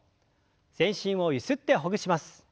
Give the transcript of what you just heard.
全身をゆすってほぐします。